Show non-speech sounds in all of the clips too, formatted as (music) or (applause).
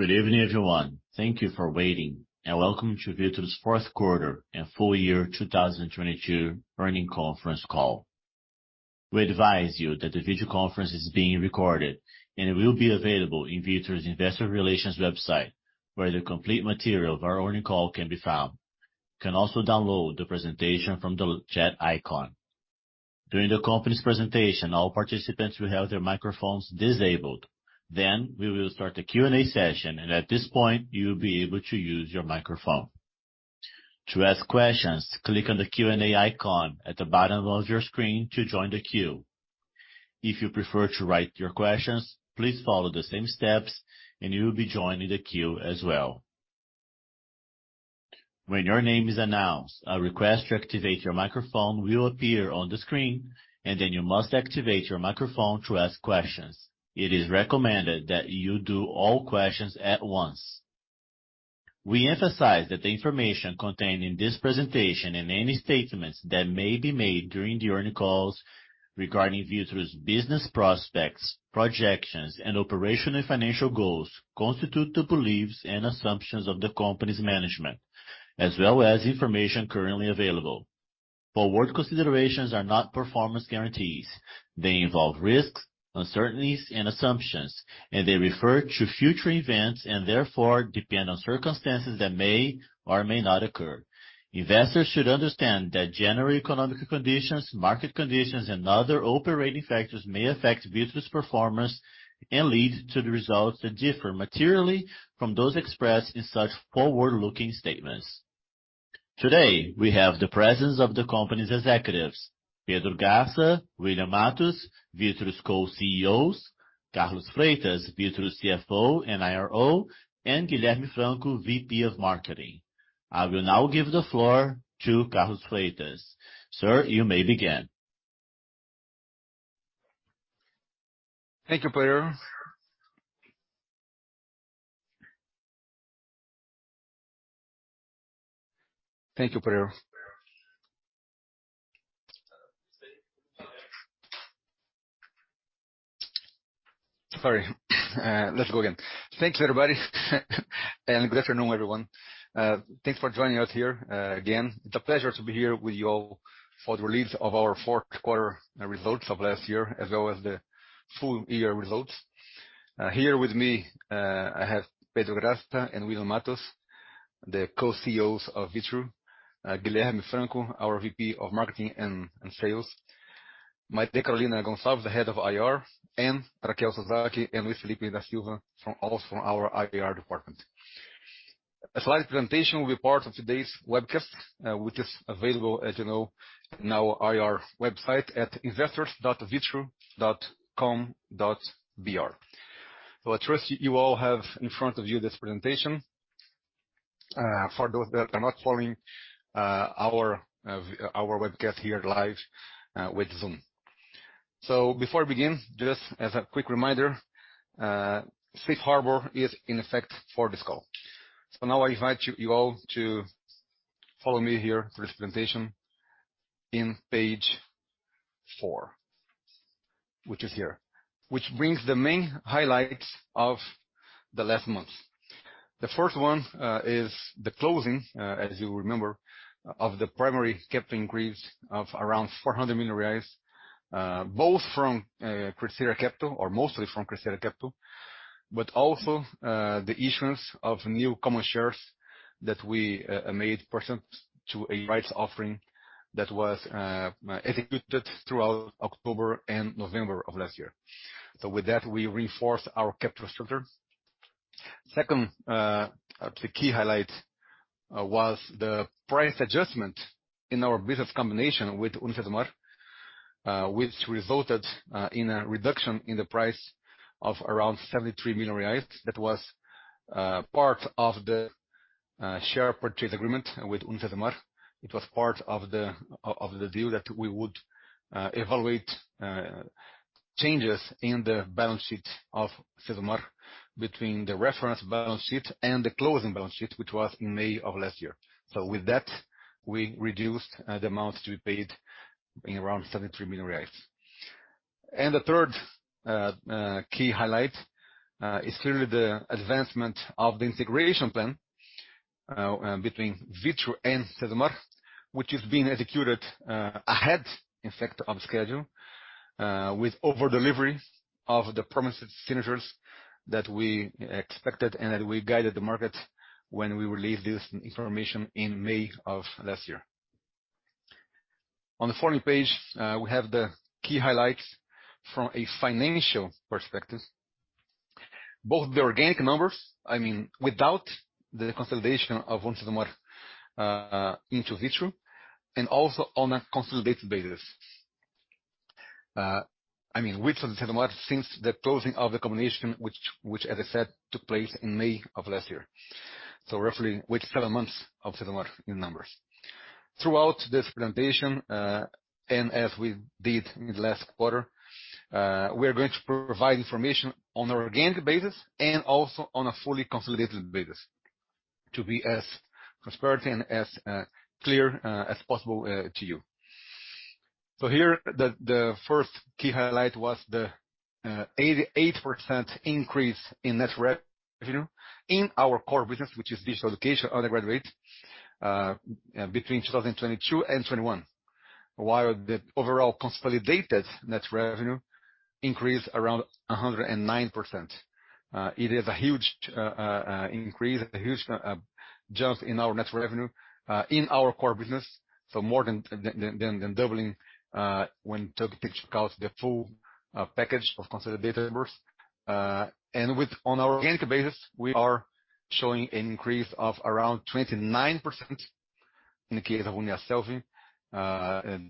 Good evening, everyone. Thank you for waiting and welcome to Vitru's fourth quarter and full year 2022 earnings conference call. We advise you that the video conference is being recorded and it will be available in Vitru's investor relations website, where the complete material of our earnings call can be found. You can also download the presentation from the chat icon. During the company's presentation, all participants will have their microphones disabled. We will start the Q&A session, and at this point, you'll be able to use your microphone. To ask questions, click on the Q&A icon at the bottom of your screen to join the queue. If you prefer to write your questions, please follow the same steps, and you'll be joining the queue as well. When your name is announced, a request to activate your microphone will appear on the screen, and then you must activate your microphone to ask questions. It is recommended that you do all questions at once. We emphasize that the information contained in this presentation and any statements that may be made during the earnings calls regarding Vitru's business prospects, projections, and operational financial goals constitute the beliefs and assumptions of the company's management, as well as information currently available. Forward considerations are not performance guarantees. They involve risks, uncertainties, and assumptions, and they refer to future events and therefore depend on circumstances that may or may not occur. Investors should understand that general economic conditions, market conditions, and other operating factors may affect Vitru's performance and lead to the results that differ materially from those expressed in such forward-looking statements. Today, we have the presence of the company's executives, Pedro Graça, William Matos, Vitru's Co-CEOs, Carlos Freitas, Vitru's CFO and IRO, and Guilherme Franco, VP of Marketing. I will now give the floor to Carlos Freitas. Sir, you may begin. Thank you, Pedro. Sorry, let's go again. Thank you, everybody, and good afternoon, everyone. Thanks for joining us here again. It's a pleasure to be here with you all for the release of our fourth quarter results of last year as well as the full year results. Here with me, I have Pedro Graça and William Matos, the co-CEOs of Vitru. Guilherme Franco, our VP of Marketing and Sales. Carolina Gonçalves, the head of IR, and Raquel Sasaki and Luis Felipe da Silva also from our IR department. A slide presentation will be part of today's webcast, which is available, as you know, in our IR website at investors.vitru.com.br. I trust you all have in front of you this presentation, for those that are not following our webcast here live with Zoom. Before I begin, just as a quick reminder, safe harbor is in effect for this call. Now I invite you all to follow me here through this presentation in page four, which is here. Which brings the main highlights of the last month. The first one is the closing, as you remember, of the primary capital increase of around 400 million reais, both from Crescera Capital, or mostly from Crescera Capital, but also the issuance of new common shares that we made pursuant to a rights offering that was executed throughout October and November of last year. With that, we reinforced our capital structure. Second, the key highlight was the price adjustment in our business combination with UniCesumar, which resulted in a reduction in the price of around 73 million reais. That was part of the share purchase agreement with UniCesumar. It was part of the deal that we would evaluate changes in the balance sheet of Cesumar between the reference balance sheet and the closing balance sheet, which was in May of last year. With that, we reduced the amount to be paid in around 73 million reais. The third key highlight is clearly the advancement of the integration plan between Vitru and Cesumar, which is being executed ahead, in fact, of schedule, with over-delivery of the promised synergies that we expected and that we guided the market when we released this information in May of last year. On the following page, we have the key highlights from a financial perspective. Both the organic numbers, I mean, without the consolidation of UniCesumar into Vitru, and also on a consolidated basis. I mean, with UniCesumar since the closing of the combination which as I said took place in May of last year. So roughly with seven months of UniCesumar in numbers. Throughout this presentation, and as we did in the last quarter, we're going to provide information on organic basis and also on a fully consolidated basis to be as transparent and as clear as possible to you. Here the first key highlight was the 88% increase in net revenue in our core business, which is digital education undergraduate, between 2022 and 2021. While the overall consolidated net revenue increased around 109%. It is a huge increase, a huge jump in our net revenue in our core business, so more than doubling when taking into account the full package of consolidated numbers. On our organic basis, we are showing an increase of around 29% in the case of Uniasselvi,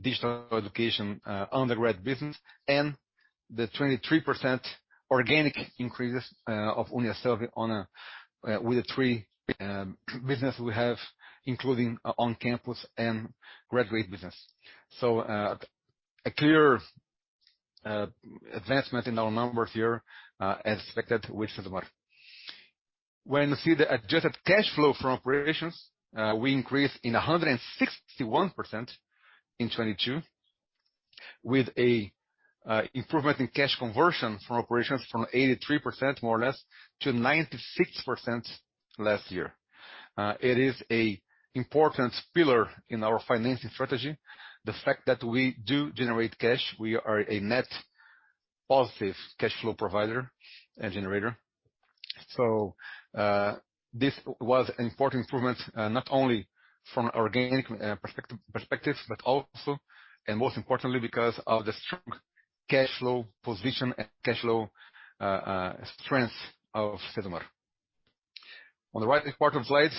digital education, undergrad business, and the 23% organic increases of Uniasselvi on a with the three business we have, including on-campus and graduate business. A clear advancement in our numbers here as expected with UniCesumar. When you see the adjusted cash flow from operations, we increased in 161% in 2022 with a improvement in cash conversion from operations from 83% more or less to 96% last year. It is a important pillar in our financing strategy. The fact that we do generate cash, we are a net positive cash flow provider and generator. This was an important improvement, not only from organic perspective, but also, and most importantly, because of the strong cash flow position and cash flow strength of Cesumar. On the right-hand part of slide,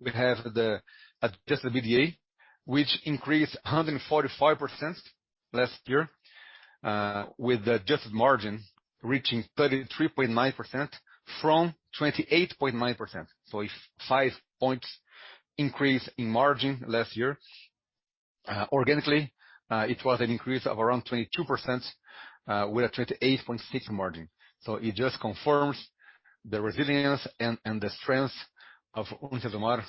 we have the Adjusted EBITDA, which increased 145% last year, with the adjusted margin reaching 33.9% from 28.9%. A 5 points increase in margin last year. Organically, it was an increase of around 22%, with a 28.6% margin. It just confirms the resilience and the strength of UniCesumar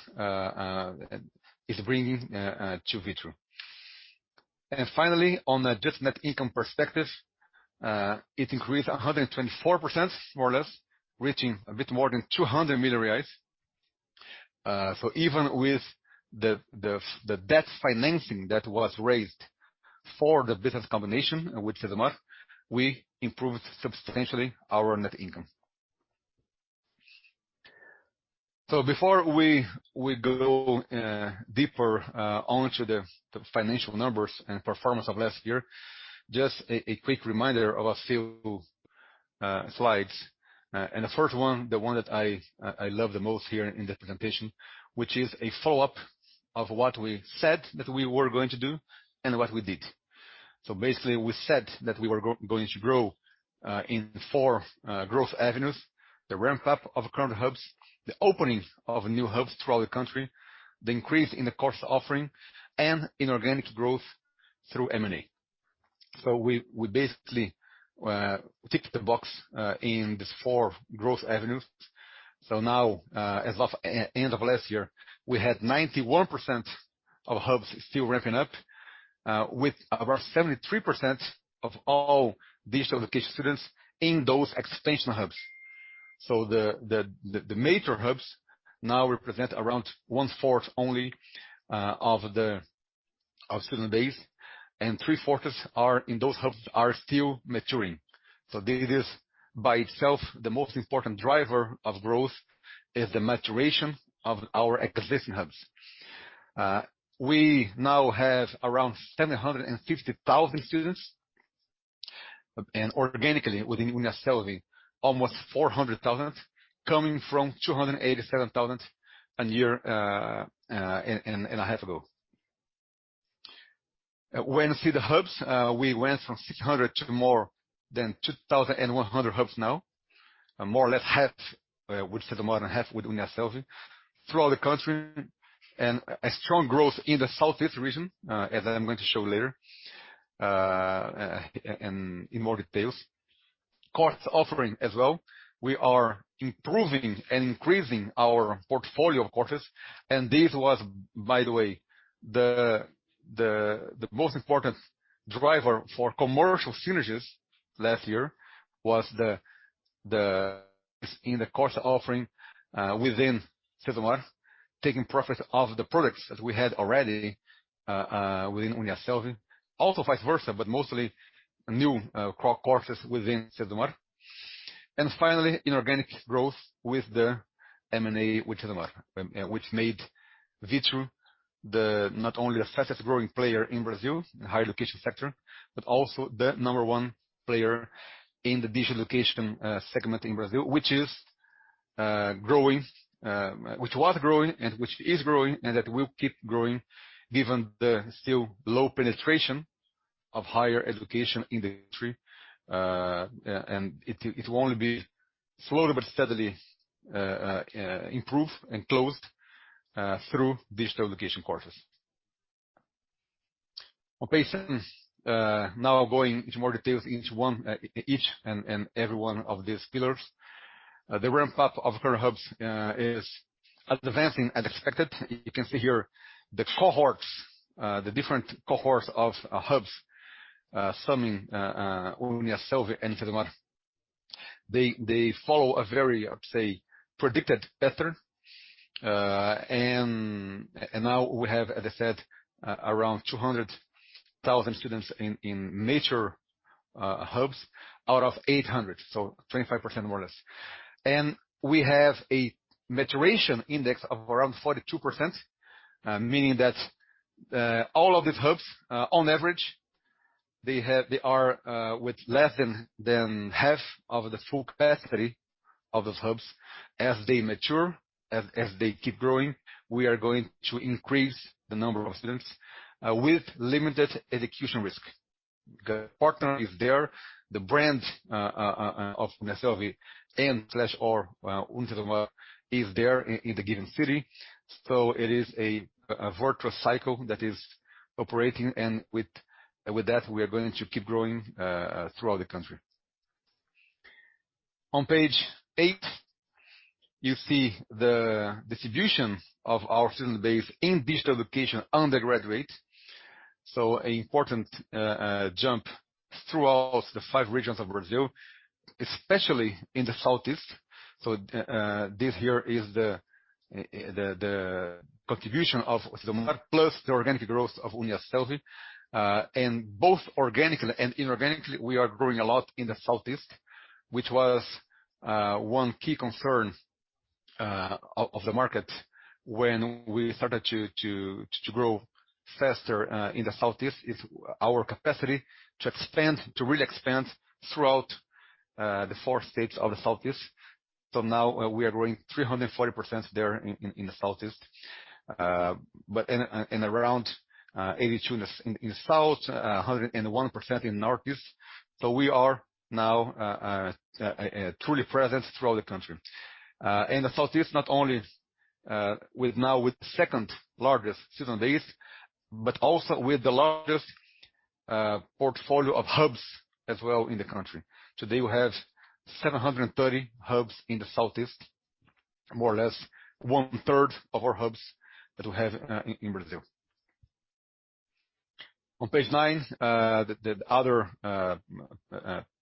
is bringing to Vitru. Finally, on adjusted net income perspective, it increased 124% more or less, reaching a bit more than 200 million reais. Even with the debt financing that was raised for the business combination with Cesumar, we improved substantially our net income. Before we go deeper onto the financial numbers and performance of last year, just a quick reminder of a few slides. The first one, the one that I love the most here in the presentation, which is a follow-up of what we said that we were going to do and what we did. Basically, we said that we were going to grow in four growth avenues, the ramp up of current hubs, the openings of new hubs throughout the country, the increase in the course offering and inorganic growth through M&A. We basically ticked the box in these four growth avenues. Now, as of end of last year, we had 91% of hubs still ramping up, with over 73% of all digital education students in those expansion hubs. The major hubs now represent around one-fourth only of the student base, and three-quarters are in those hubs are still maturing. This is by itself the most important driver of growth is the maturation of our acquisition hubs. We now have around 750,000 students. Organically within Uniasselvi, almost 400,000, coming from 287,000 a year in a half ago. When see the hubs, we went from 600 to more than 2,100 hubs now. More or less half with Cesumar and half with Uniasselvi throughout the country. A strong growth in the southeast region, as I'm going to show later, in more details. Course offering as well. We are improving and increasing our portfolio of courses. This was, by the way, the most important driver for commercial synergies last year was in the course offering within Cesumar, taking profit off the products that we had already within Uniasselvi. Also vice versa, but mostly new, core courseswithin Cesumar. Finally, inorganic growth with the M&A with Cesumar, which made Vitru not only the fastest-growing player in Brazil in higher education sector, but also the number one player in the digital education segment in Brazil, which is growing, which was growing and which is growing and that will keep growing given the still low penetration of higher education in the country. It will only be slowly but steadily improved and closed through digital education courses. On (audio distortion) items, now going into more details, each and every one of these pillars. The ramp up of current hubs is advancing as expected. You can see here the cohorts, the different cohorts of hubs, some in Uniasselvi and Cesumar. They follow a very, I would say, predicted pattern. Now we have, as I said, around 200,000 students in major hubs out of 800, so 25% more or less. We have a maturation index of around 42%, meaning that all of these hubs, on average, they are with less than half of the full capacity of those hubs. As they mature, as they keep growing, we are going to increase the number of students with limited execution risk. The partner is there. The brand of Uniasselvi and/or Cesumar is there in the given city. It is a virtuous cycle that is operating. With that, we are going to keep growing throughout the country. On page eight, you see the distribution of our student base in digital education undergraduate. An important jump throughout the five regions of Brazil, especially in the Southeast. This here is the contribution of Cesumar plus the organic growth of Uniasselvi. Both organically and inorganically, we are growing a lot in the Southeast, which was one key concern of the market when we started to grow faster in the Southeast, is our capacity to expand, to really expand throughout the four states of the Southeast. Now we are growing 340% there in the Southeast, but around 82% in the South, 101% in Northeast. We are now truly present throughout the country. In the Southeast, not only with now with the second-largest student base, but also with the largest portfolio of hubs as well in the country. Today we have 730 hubs in the Southeast, more or less one-third of our hubs that we have in Brazil. On page nine, the other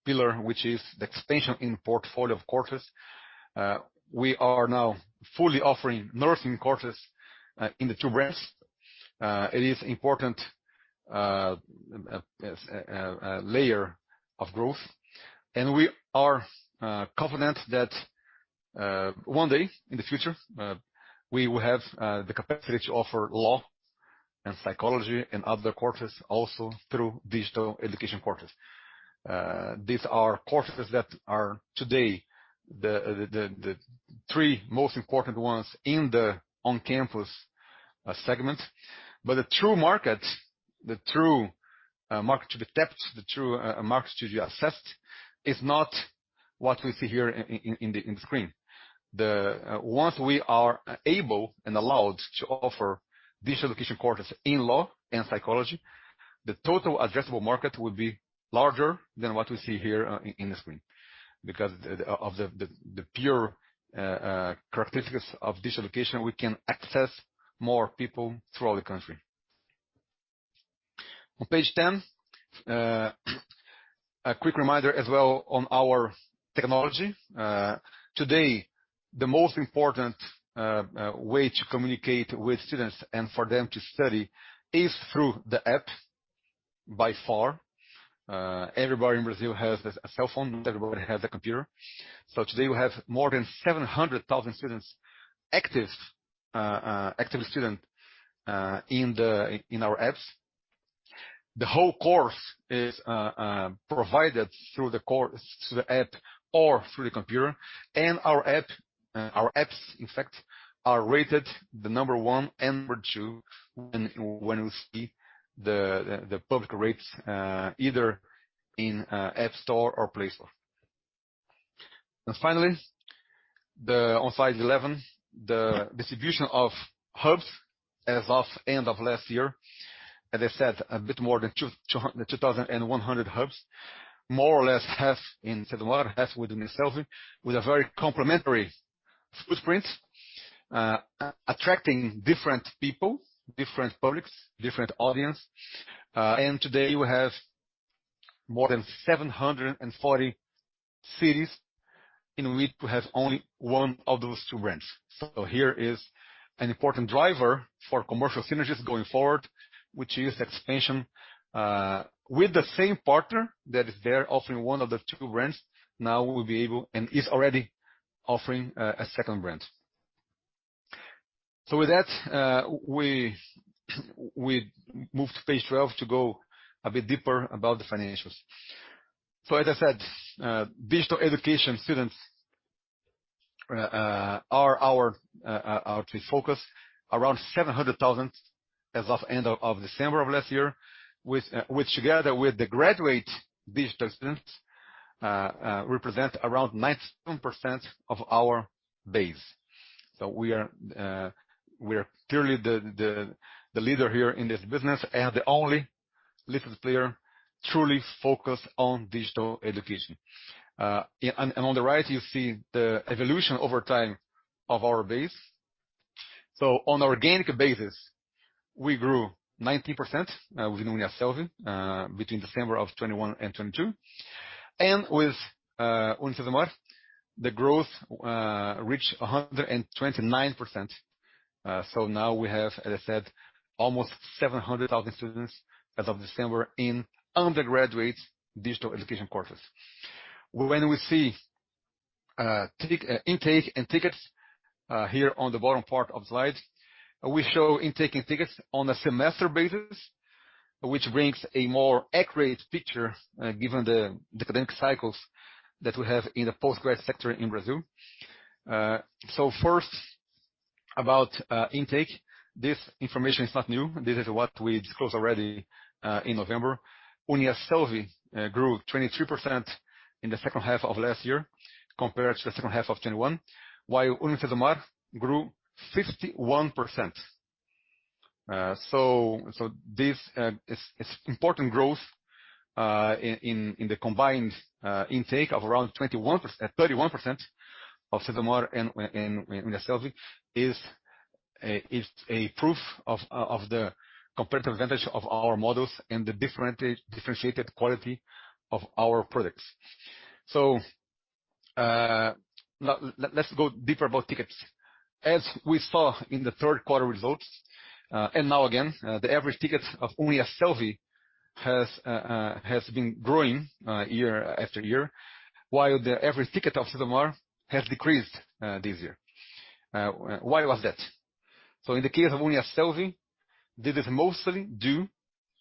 pillar, which is the expansion in portfolio of courses. We are now fully offering nursing courses in the two brands. It is important layer of growth. We are confident that one day in the future, we will have the capacity to offer law and psychology and other courses also through digital education courses. These are courses that are today the three most important ones in the on-campus segment. The true market, the true market to be tapped, the true market to be accessed is not what we see here in the screen. Once we are able and allowed to offer digital education courses in law and psychology, the total addressable market will be larger than what we see here in the screen. Because of the pure characteristics of digital education, we can access more people throughout the country. On page 10, a quick reminder as well on our technology. Today, the most important way to communicate with students and for them to study is through the apps, by far. Everybody in Brazil has a cell phone. Not everybody has a computer. Today we have more than 700,000 students active student in our apps. The whole course is provided through the app or through the computer. Our apps, in fact, are rated the number one and number two when you see the public rates either in App Store or Play Store. Finally, on slide 11, the distribution of hubs as of end of last year. As I said, a bit more than 2,100 hubs, more or less half in Cesumar, half with Uniasselvi, with a very complementary footprint, attracting different people, different publics, different audience. Today we have more than 740 cities in which we have only one of those two brands. Here is an important driver for commercial synergies going forward, which is expansion, with the same partner that is there offering one of the two brands, now we will be able and is already offering a second brand. With that, we move to page 12 to go a bit deeper about the financials. As I said, digital education students are our true focus. Around 700,000 as of end of December of last year, with which together with the graduate digital students represent around 19% of our base. We are clearly the leader here in this business and the only player truly focused on digital education. And on the right, you see the evolution over time of our base. On organic basis, we grew 90% within Uniasselvi between December of 2021 and 2022. With UniCesumar, the growth reached 129%. Now we have, as I said, almost 700,000 students as of December in undergraduate digital education courses. When we see intake and tickets here on the bottom part of the slide, we show intake and tickets on a semester basis, which brings a more accurate picture given the academic cycles that we have in the postgrad sector in Brazil. First about intake. This information is not new. This is what we disclosed already in November. Uniasselvi grew 23% in the second half of last year compared to the second half of 2021. While UniCesumar grew 51%. This is important growth, in the combined intake of around 21%-31% of Cesumar and Uniasselvi is a proof of the competitive advantage of our models and the differentiated quality of our products. Let's go deeper about tickets. As we saw in the third quarter results, and now again, the average tickets of Uniasselvi has been growing year after year, while the average ticket of Cesumar has decreased this year. Why was that? In the case of Uniasselvi, this is mostly due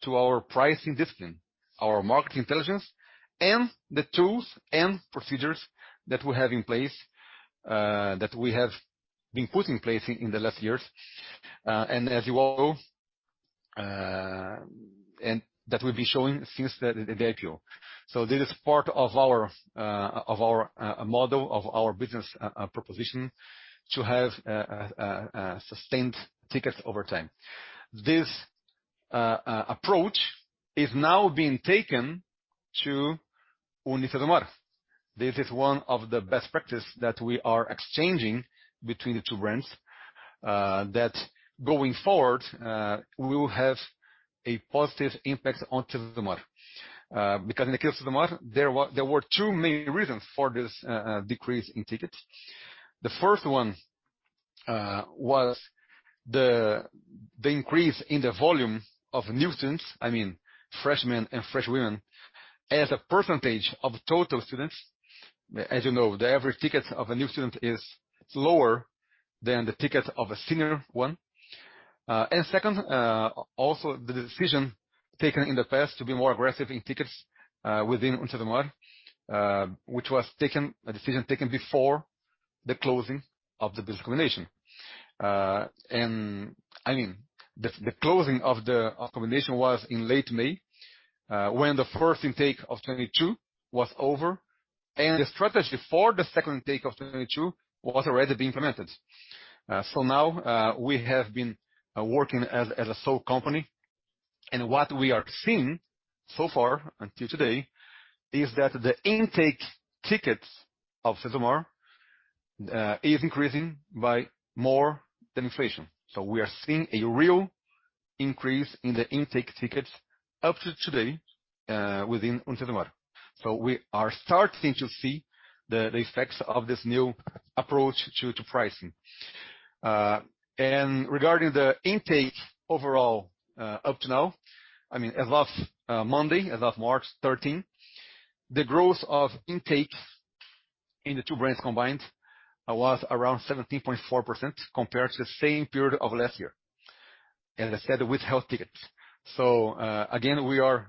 to our pricing discipline, our market intelligence, and the tools and procedures that we have in place that we have been putting in place in the last years. As you all know, that we've been showing since the IPO. This is part of our model, of our business proposition to have a sustained tickets over time. This approach is now being taken to UniCesumar. This is one of the best practice that we are exchanging between the two brands, that going forward, will have a positive impact on Cesumar. In the case of Cesumar, there were two main reasons for this decrease in tickets. The first one was the increase in the volume of new students. I mean, freshmen and freshwomen, as a percentage of total students. As you know, the average tickets of a new student is lower than the tickets of a senior one. Second, also the decision taken in the past to be more aggressive in tickets, within UniCesumar, which was a decision taken before the closing of the business combination. I mean, the closing of the combination was in late May, when the first intake of 2022 was over, and the strategy for the second intake of 2022 was already being implemented. Now, we have been working as a sole company. What we are seeing so far until today is that the intake tickets of Cesumar is increasing by more than inflation. We are seeing a real increase in the intake tickets up to today, within UniCesumar. We are starting to see the effects of this new approach to pricing. And regarding the intake overall, I mean as of Monday, as of March 13, the growth of intakes in the two brands combined was around 17.4% compared to the same period of last year. As I said, with health tickets. So, again, we are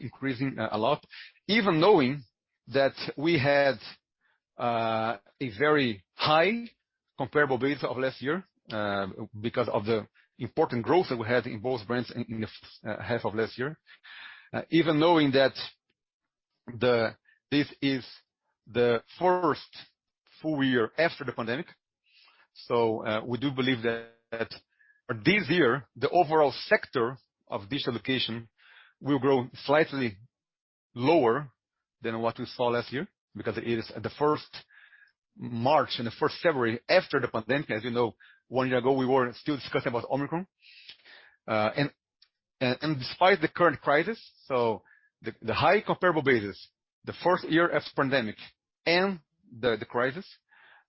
increasing a lot, even knowing that we had a very high comparable base of last year, because of the important growth that we had in both brands in the first half of last year. Even knowing that this is the first full year after the pandemic. So, we do believe that this year, the overall sector of digital education will grow slightly lower than what we saw last year, because it is the first March and the first February after the pandemic. As you know, one year ago, we were still discussing about Omicron. Despite the current crisis, the high comparable basis, the first year as pandemic and the crisis,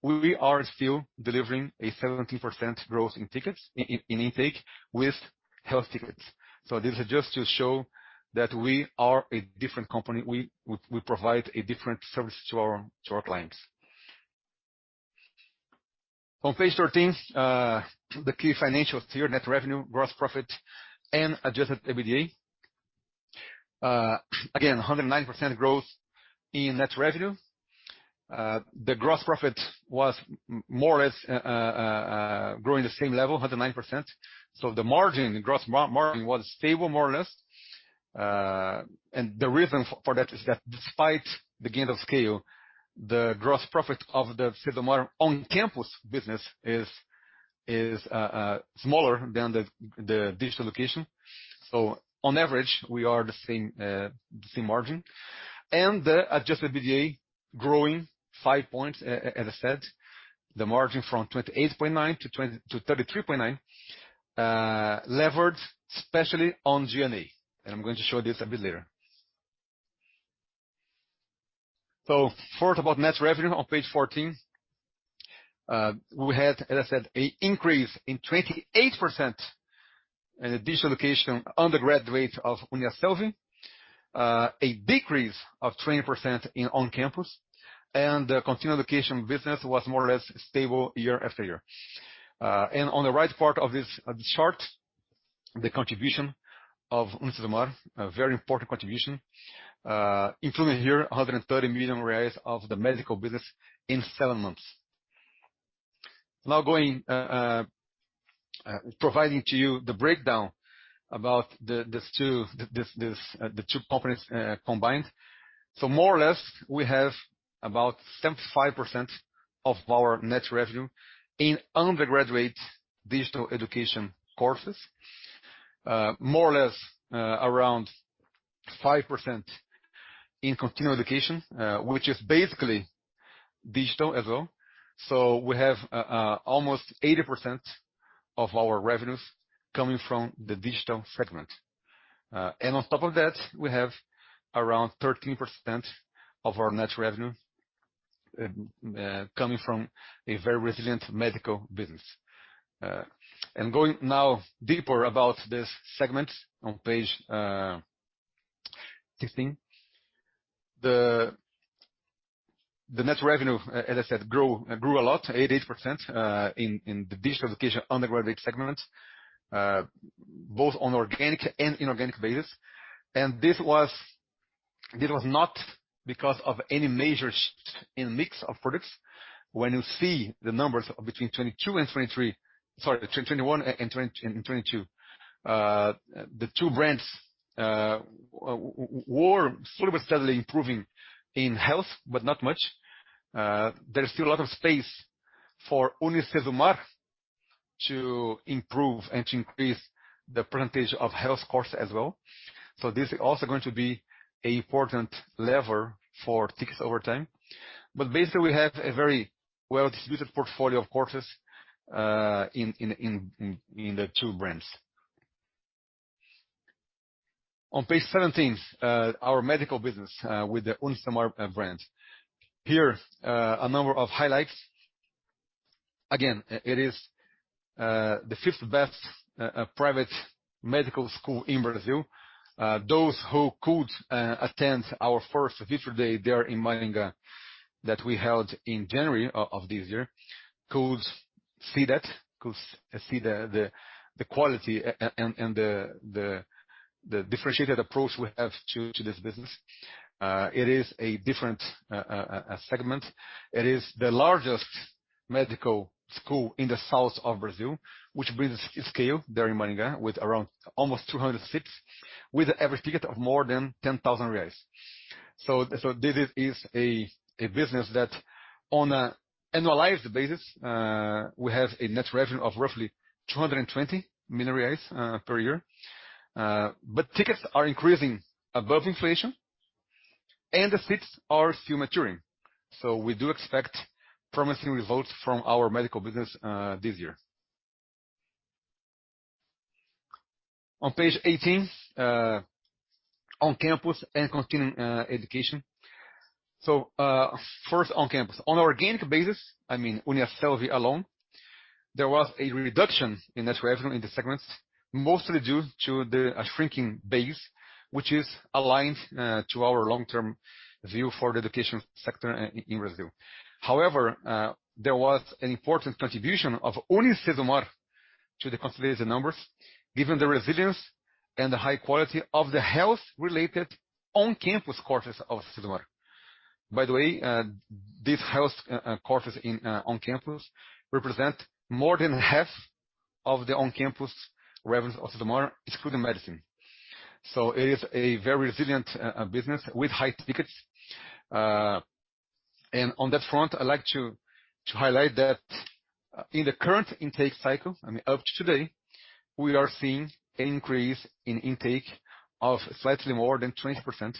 we are still delivering a 17% growth in intake with health tickets. This is just to show that we are a different company. We provide a different service to our clients. On page 13, the key financials here, net revenue, gross profit and Adjusted EBITDA. Again, 109% growth in net revenue. The gross profit was more or less growing the same level, 109%. The margin, gross margin was stable, more or less. The reason for that is that despite the gain of scale, the gross profit of the Cesumar on-campus business is smaller than the digital location. On average, we are the same margin. The Adjusted EBITDA growing 5 points, as I said. The margin from 28.9 to 33.9, levered especially on G&A. I'm going to show this a bit later. First about net revenue on page 14. We had, as I said, a increase in 28% in the digital location undergraduate of Uniasselvi, a decrease of 20% in on-campus, and the continuing education business was more or less stable year after year. On the right part of this chart, the contribution of UniCesumar, a very important contribution, including here 130 million reais of the medical business in seven months. Now going, providing to you the breakdown about the two companies combined. More or less, we have about 75% of our net revenue in undergraduate digital education courses. More or less, around 5% in continuing education, which is basically digital as well. We have almost 80% of our revenues coming from the digital segment. On top of that, we have around 13% of our net revenue coming from a very resilient medical business. Going now deeper about this segment on page 15. The net revenue, as I said, grew a lot, 88%, in the digital education undergraduate segment, both on organic and inorganic basis. This was not because of any measures in mix of products. When you see the numbers between 2022 and 2023. Sorry, 2021 and 2022, the two brands were slowly but steadily improving in health, but not much. There is still a lot of space for UniCesumar to improve and to increase the percentage of health course as well. This is also going to be a important lever for tickets over time. Basically, we have a very well-distributed portfolio of courses, in the two brands. On page 17, our medical business, with the UniCesumar brand. Here, a number of highlights. It is the fifth best private medical school in Brazil. Those who could attend our first Future Day there in Maringá that we held in January of this year could see that, could see the quality and the differentiated approach we have to this business. It is a different segment. It is the largest medical school in the south of Brazil, which brings scale there in Maringá with around almost 200 seats, with every ticket of more than 10,000 reais. This is a business that on an annualized basis, we have a net revenue of roughly 220 million reais per year. Tickets are increasing above inflation, and the seats are still maturing. We do expect promising results from our medical business this year. On page 18, on-campus and continuing education. First on-campus. On organic basis, I mean, Uniasselvi alone, there was a reduction in net revenue in the segments, mostly due to the shrinking base, which is aligned to our long-term view for the education sector in Brazil. However, there was an important contribution of UniCesumar to the consolidated numbers, given the resilience and the high quality of the health-related on-campus courses of Cesumar. By the way, these health courses in on-campus represent more than half of the on-campus revenues of Cesumar, excluding medicine. It is a very resilient business with high tickets. On that front, I'd like to highlight that in the current intake cycle, I mean, up to today, we are seeing an increase in intake of slightly more than 20%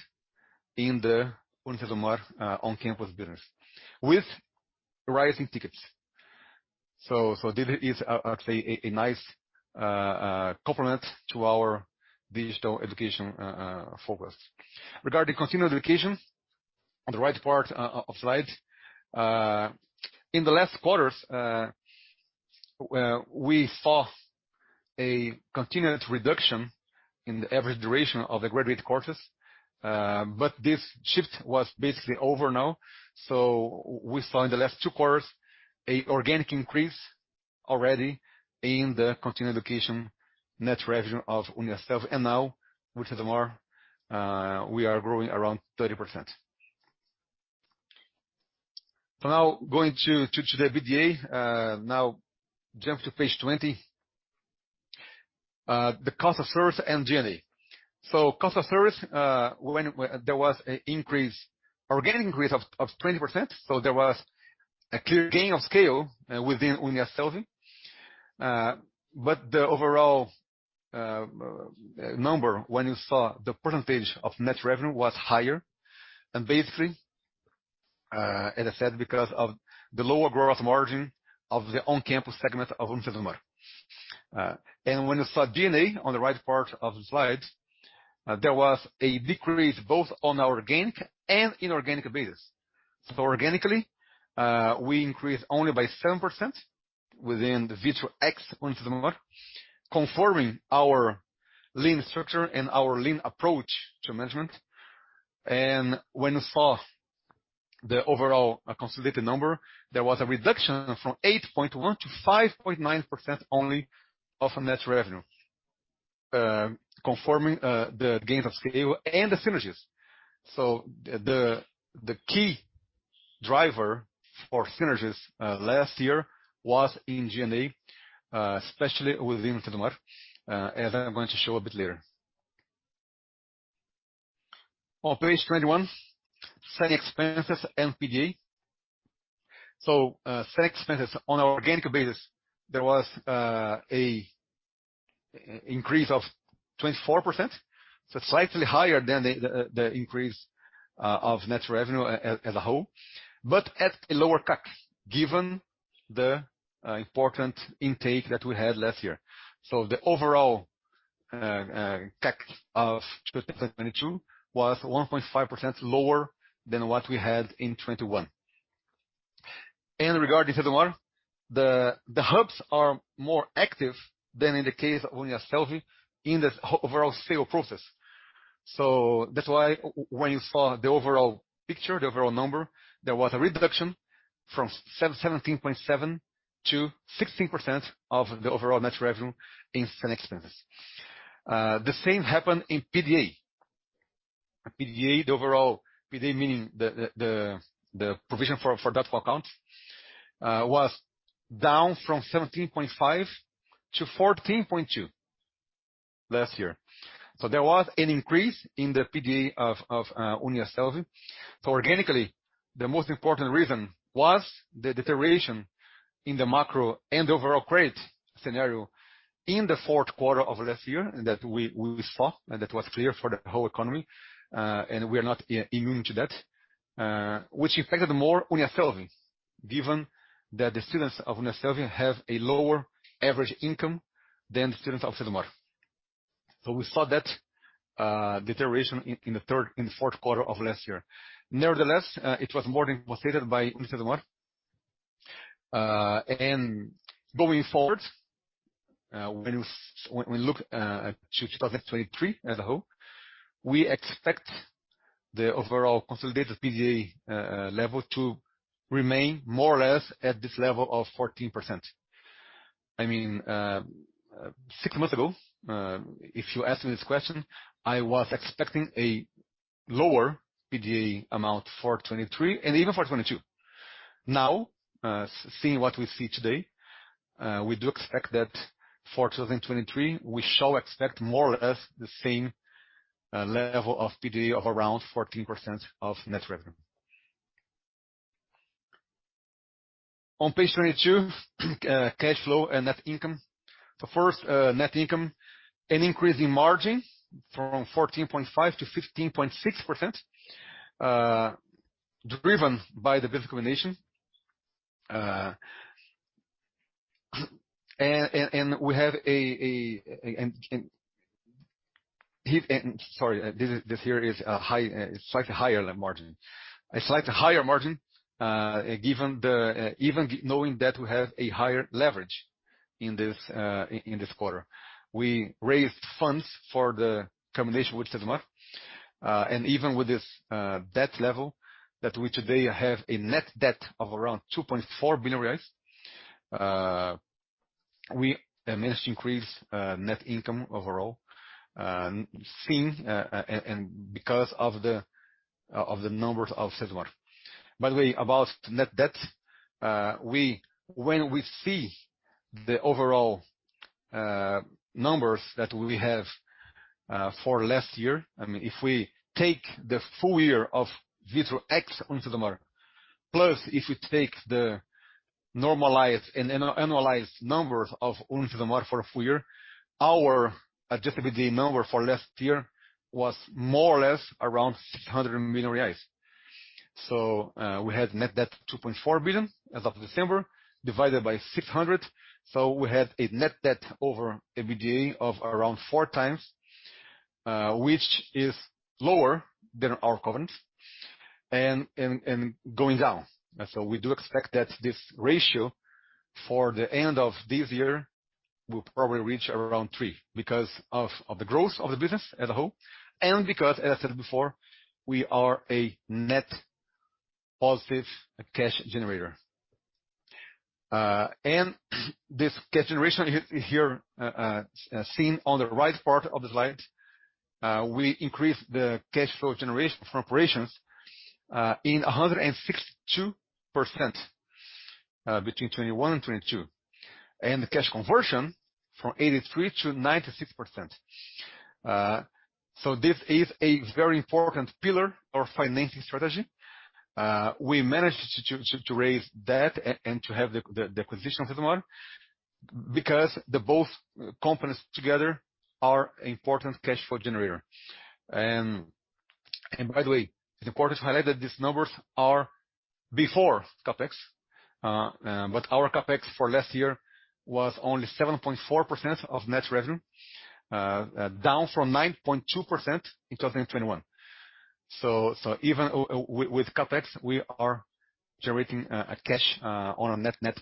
in the UniCesumar on-campus business with rising tickets. So this is actually a nice complement to our digital education focus. Regarding continuous education, on the right part of slide. In the last quarters, we saw a continuous reduction in the average duration of the graduate courses. But this shift was basically over now. So we saw in the last two quarters an organic increase already in the continuing education net revenue of Uniasselvi. And now with Cesumar, we are growing around 30%. Now going to the [G&A]. Now jump to page 20. The Cost of Service and G&A. Cost of Service, organic increase of 20%, so there was a clear gain of scale within Uniasselvi. The overall number, when you saw the percentage of net revenue was higher. Basically, as I said, because of the lower growth margin of the on-campus segment of UniCesumar. When you saw G&A on the right part of the slide, there was a decrease both on our organic and inorganic basis. Organically, we increased only by 7% within the Vitru x UniCesumar, confirming our lean structure and our lean approach to management. When you saw the overall consolidated number, there was a reduction from 8.1% to 5.9% only of net revenue, conforming the gains of scale and the synergies. The key driver for synergies last year was in G&A, especially within UniCesumar, as I'm going to show a bit later. On page 21, selling expenses and PDA. Selling expenses. On organic basis, there was an increase of 24%, so slightly higher than the increase of net revenue as a whole, but at a lower CAC given the important intake that we had last year. The overall CAC of 2022 was 1.5% lower than what we had in 2021. Regarding UniCesumar, the hubs are more active than in the case of Uniasselvi in the overall sale process. That's why when you saw the overall picture, the overall number, there was a reduction from 17.7% to 16% of the overall net revenue in selling expenses. The same happened in PDA. PDA, the overall PDA, meaning the provision for doubtful accounts, was down from 17.5% to 14.2% last year. There was an increase in the PDA of Uniasselvi. Organically, the most important reason was the deterioration in the macro and overall credit scenario in the fourth quarter of last year that we saw and that was clear for the whole economy. And we are not immune to that, which impacted more Uniasselvi, given that the students of Uniasselvi have a lower average income than the students of Unicesumar. We saw that deterioration in the fourth quarter of last year. Nevertheless, it was more than compensated by Unicesumar. Going forward, when we look to 2023 as a whole, we expect the overall consolidated PDA level to remain more or less at this level of 14%. I mean, six months ago, if you asked me this question, I was expecting a lower PDA amount for 2023 and even for 2022. Now, seeing what we see today, we do expect that for 2023, we shall expect more or less the same level of PDA of around 14% of net revenue. On page 22, cash flow and net income. First, net income, an increase in margin from 14.5 to 15.6%, driven by the business combination. We have a... And... Sorry, this here is a high, slightly higher margin. A slightly higher margin, given the even knowing that we have a higher leverage in this quarter. We raised funds for the combination with UniCesumar. Even with this debt level that we today have a net debt of aound 2.4 billion reais, we managed to increase net income overall, seeing, and because of the numbers of UniCesumar. About net debt, when we see the overall numbers that we have for last year, I mean, if we take the full year of Vitru x UniCesumar, plus if we take the normalized and annualized numbers of UniCesumar for a full year, our Adjusted EBITDA number for last year was more or less around 600 million reais. We had net debt 2.4 billion as of December divided by 600. We had a net debt over EBITDA of around 4x, which is lower than our covenants and going down. We do expect that this ratio, for the end of this year, will probably reach around three because of the growth of the business as a whole and because, as I said before, we are a net positive cash generator. This cash generation here, seen on the right part of the slide, we increased the cash flow generation from operations in 162% between 2021 and 2022. The cash conversion from 83% to 96%. This is a very important pillar of financing strategy. We managed to raise debt and to have the acquisition of Cesumar because both companies together are important cash flow generator. By the way, it's important to highlight that these numbers are before CapEx. Our CapEx for last year was only 7.4% of net revenue, down from 9.2% in 2021. Even with CapEx, we are generating cash on a net-net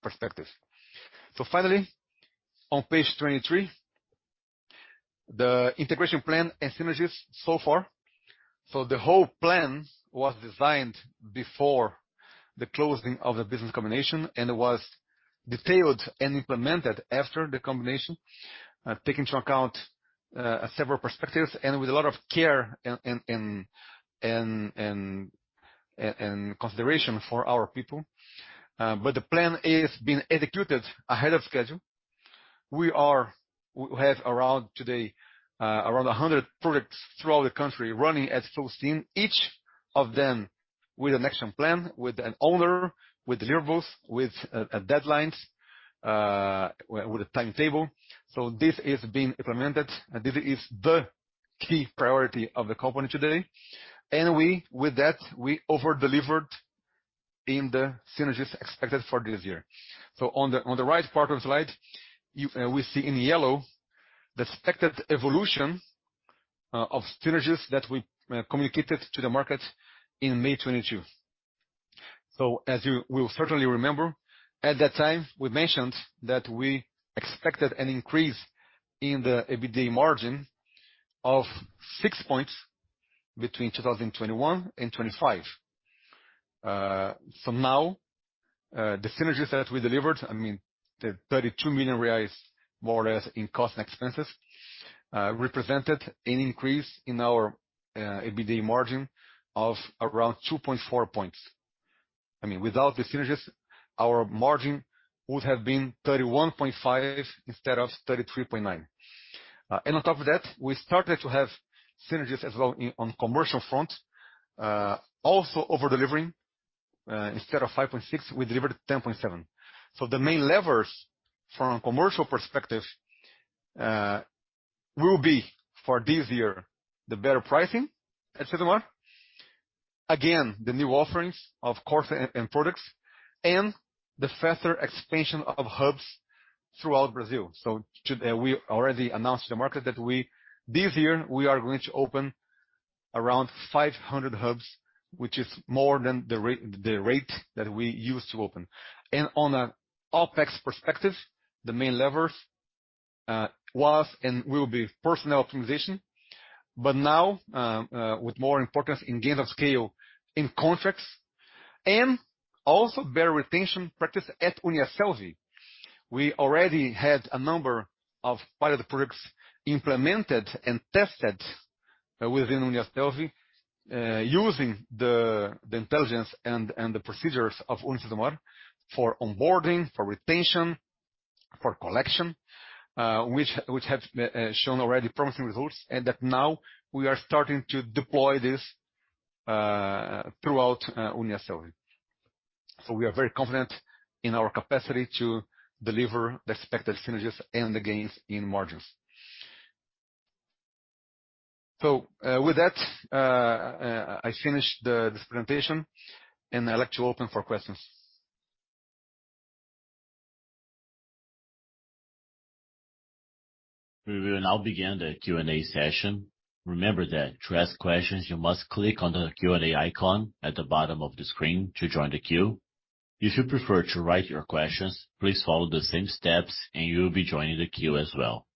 perspective. Finally, on page 23, the integration plan and synergies so far. The whole plan was designed before the closing of the business combination, and it was detailed and implemented after the combination, take into account several perspectives and with a lot of care and consideration for our people. The plan is being executed ahead of schedule. We have around today, around 100 products throughout the country running at full steam, each of them with an action plan, with an owner, with deliverables, with deadlines, with a timetable. This is being implemented. This is the key priority of the company today. With that, we over-delivered in the synergies expected for this year. On the right part of the slide, we see in yellow the expected evolution of synergies that we communicated to the market in May 2022. As you will certainly remember, at that time, we mentioned that we expected an increase in the EBD margin of 6 points between 2021 and 2025. Now, the synergies that we delivered, I mean, the 32 million reais, more or less in cost and expenses, represented an increase in our EBD margin of around 2.4 points. I mean, without the synergies, our margin would have been 31.5 instead of 33.9. On top of that, we started to have synergies as well on commercial front, also over-delivering. Instead of 5.6, we delivered 10.7. The main levers from a commercial perspective, will be for this year, the better pricing at Cesumar, again, the new offerings, of course, and products, and the faster expansion of hubs throughout Brazil. Should we already announced to the market that we, this year we are going to open around 500 hubs, which is more than the rate that we used to open. On an OpEx perspective, the main levers, was and will be personal optimization. Now, with more importance in gains of scale in contracts and also better retention practice at Uniasselvi. We already had a number of pilot products implemented and tested within Uniasselvi, using the intelligence and the procedures of UniCesumar for onboarding, for retention, for collection, which have shown already promising results, and that now we are starting to deploy this throughout Uniasselvi. We are very confident in our capacity to deliver the expected synergies and the gains in margins. With that, I finish this presentation, and I'd like to open for questions. We will now begin the Q&A session. Remember that to ask questions, you must click on the Q&A icon at the bottom of the screen to join the queue. If you prefer to write your questions, please follow the same steps, and you'll be joining the queue as well.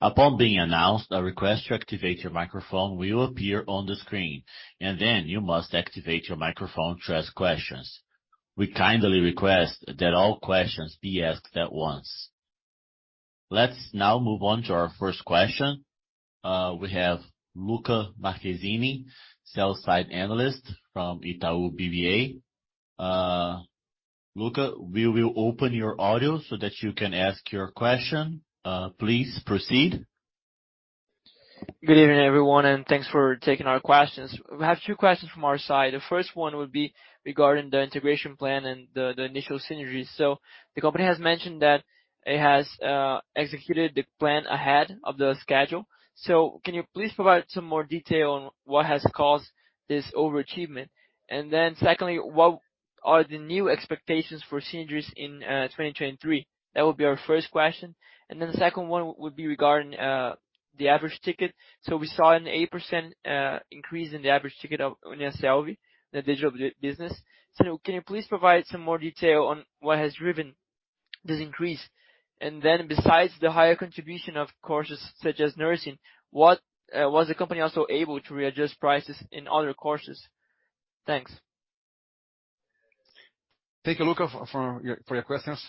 Upon being announced, a request to activate your microphone will appear on the screen, and then you must activate your microphone to ask questions. We kindly request that all questions be asked at once. Let's now move on to our first question. We have Luca Marchesini, sell-side analyst from Itaú BBA. Luca, we will open your audio so that you can ask your question. Please proceed. Good evening, everyone, and thanks for taking our questions. We have two questions from our side. The first one would be regarding the integration plan and the initial synergies. The company has mentioned that it has executed the plan ahead of the schedule. Can you please provide some more detail on what has caused this overachievement? Secondly, what are the new expectations for synergies in 2023? That would be our first question. The second one would be regarding the average ticket. We saw an 8% increase in the average ticket of Uniasselvi, the digital business. Can you please provide some more detail on what has driven this increase. Besides the higher contribution of courses such as nursing, what was the company also able to readjust prices in other courses? Thanks. Take a look for your questions.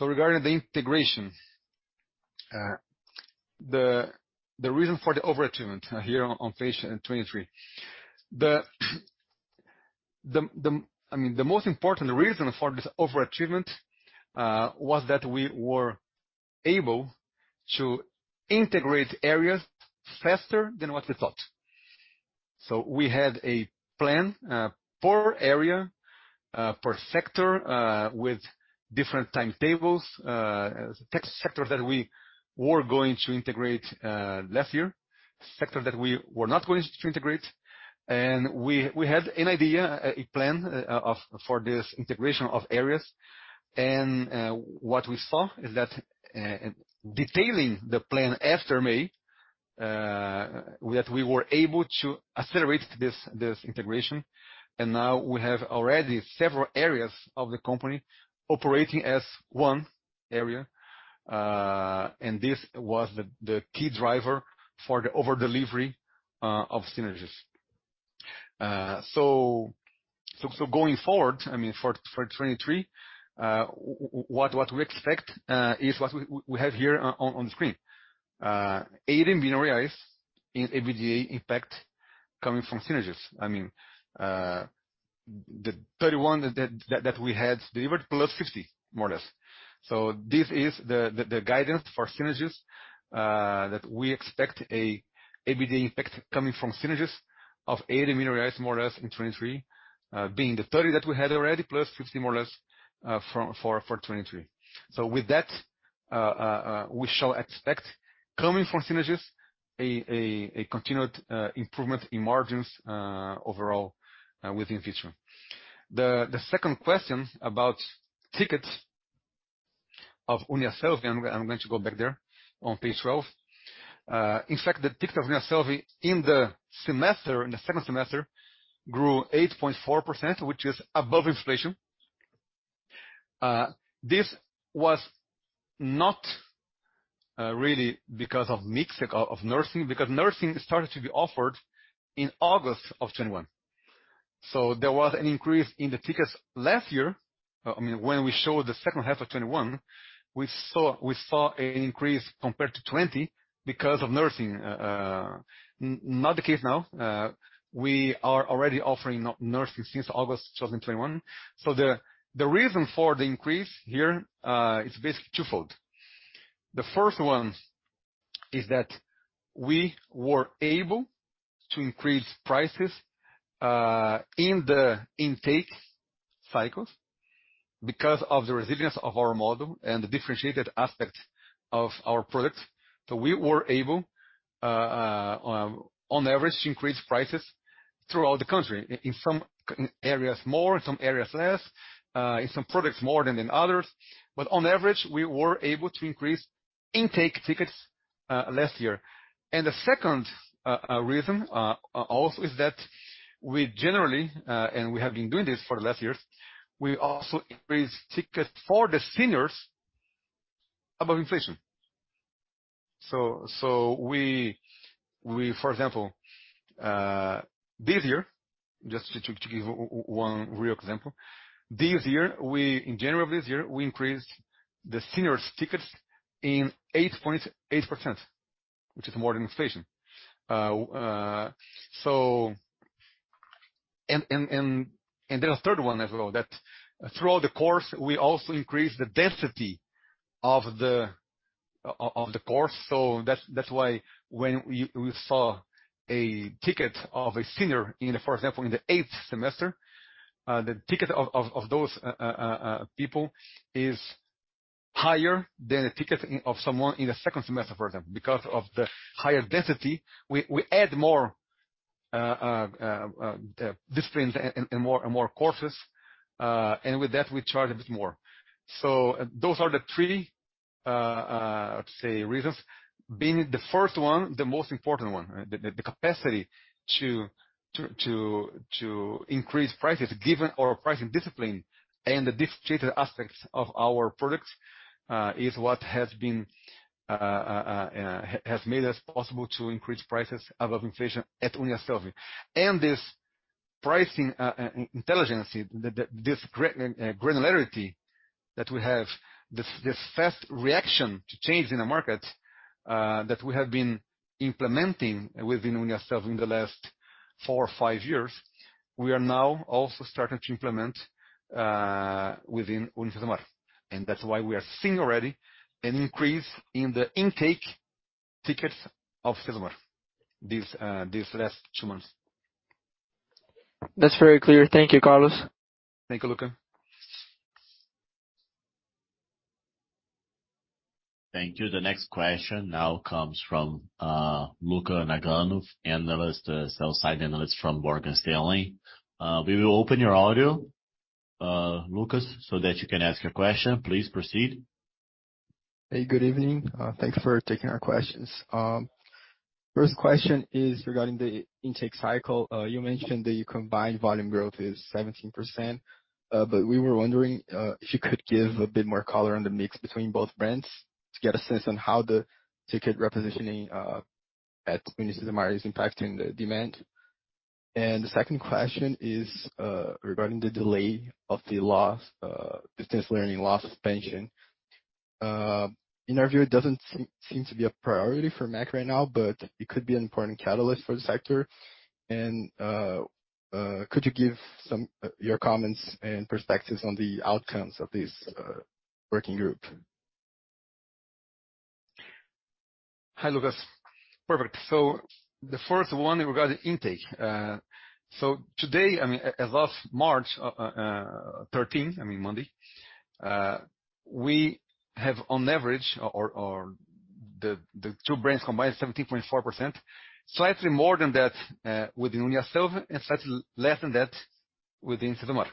Regarding the integration, the I mean, the most important reason for this over-achievement was that we were able to integrate areas faster than what we thought. We had a plan per area, per sector, with different timetables. Tech sector that we were going to integrate last year. Sector that we were not going to integrate. We had an idea, a plan for this integration of areas. What we saw is that detailing the plan after May, we were able to accelerate this integration. Now we have already several areas of the company operating as one area. This was the key driver for the over-delivery of synergies. So going forward, I mean, for 2023, what we expect, is what we have here on the screen. 80 million reais in EBITDA impact coming from synergies. I mean, the 31 that we had delivered, plus 50, more or less. This is the guidance for synergies, that we expect a EBITDA impact coming from synergies of 80 million, more or less, in 2023. Being the 30 that we had already, plus 50, more or less, for 2023. With that, we shall expect coming from synergies a continued improvement in margins, overall within Vitru. The second question about tickets of Uniasselvi. I'm going to go back there on page 12. In fact, the ticket of Uniasselvi in the semester, in the second semester, grew 8.4%, which is above inflation. This was not really because of mix of nursing, because nursing started to be offered in August 2021. There was an increase in the tickets last year. I mean, when we showed the second half of 2021, we saw an increase compared to 2020 because of nursing. Not the case now. We are already offering nursing since August 2021. The reason for the increase here is basically twofold. The first one is that we were able to increase prices in the intake cycles because of the resilience of our model and the differentiated aspects of our products. We were able, on average, to increase prices throughout the country. In some areas more, in some areas less, in some products more than in others. On average, we were able to increase intake tickets last year. The second reason also is that we generally, and we have been doing this for the last years, we also increased tickets for the seniors above inflation. We, for example, this year, just to give one real example. This year, in January of this year, we increased the seniors tickets in 8.8%, which is more than inflation. There's a third one as well, that throughout the course, we also increased the density of the course. That's why when we saw a ticket of a senior in, for example, in the eighth semester, the ticket of those people is higher than a ticket of someone in the second semester, for example. Because of the higher density, we add more disciplines and more courses. With that, we charge a bit more. Those are the three, how to say, reasons. Being the first one, the most important one. The capacity to increase prices given our pricing discipline and the differentiated aspects of our products, is what has made us possible to increase prices above inflation at Uniasselvi. This pricing, intelligence, this granularity that we have, this fast reaction to change in the market, that we have been implementing within Uniasselvi in the last four or five years, we are now also starting to implement within UniCesumar. That's why we are seeing already an increase in the intake tickets of Cesumar, this last two months. That's very clear. Thank you, Carlos. Thank you, Luca. Thank you. The next question now comes from Lucas Nagano, analyst, sell side analyst from Morgan Stanley. We will open your audio, Lucas, so that you can ask your question. Please proceed. Hey, good evening. Thanks for taking our questions. First question is regarding the intake cycle. You mentioned that your combined volume growth is 17%. We were wondering, if you could give a bit more color on the mix between both brands to get a sense on how the ticket repositioning, at UniCesumar is impacting the demand. The second question is, regarding the delay of the laws, distance learning law suspension. In our view, it doesn't seem to be a priority for MEC right now, but it could be an important catalyst for the sector. Could you give some, your comments and perspectives on the outcomes of this, working group? Hi, Lucas. Perfect. The first one regarding intake. Today, I mean, as of March 13, I mean Monday, we have on average or the two brands combined, 17.4%, slightly more than that, within Uniasselvi and slightly less than that within Cesumar.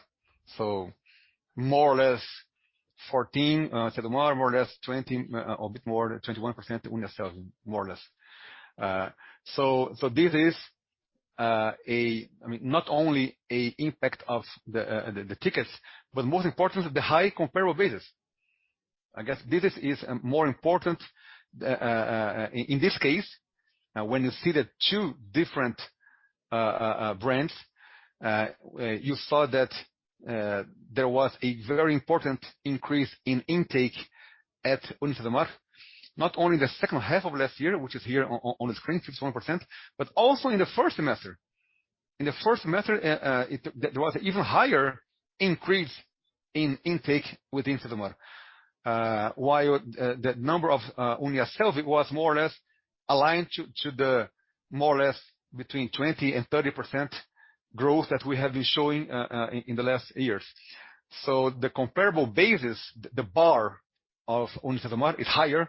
More or less 14%, Cesumar, more or less 20%, a bit more, 21% Uniasselvi, more or less. This is, I mean, not only a impact of the, the tickets, but most importantly, the high comparable basis. I guess this is more important, in this case, when you see the two different brands. You saw that there was a very important increase in intake at UniCesumar, not only the second half of last year, which is here on the screen, 51%, but also in the first semester. In the first semester, there was even higher increase in intake within Cesumar. While the number of Uniasselvi was more or less aligned to the more or less between 20%-30% growth that we have been showing in the last years. The comparable basis, the bar of UniCesumar is higher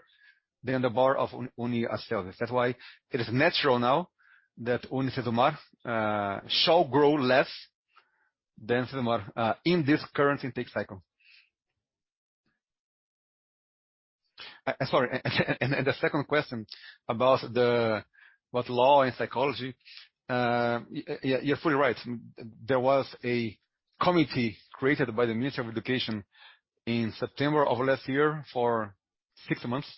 than the bar of Uniasselvi. That's why it is natural now that UniCesumar shall grow less than Cesumar in this current intake cycle. Sorry. The second question about law and psychology. You're fully right. There was a committee created by the Ministry of Education in September of last year for six months,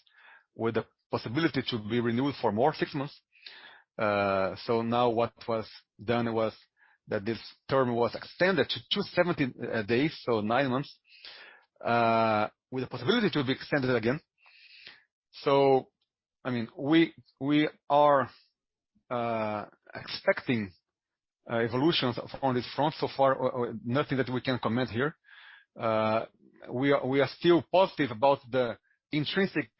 with the possibility to be renewed for more six months. Now what was done was that this term was extended to 270 days, so nine months, with the possibility to be extended again. I mean, we are expecting evolutions on this front. So far, nothing that we can comment here. We are, we are still positive about the intrinsic